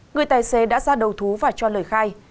người tài xế đã ra đầu thú và cho lời khai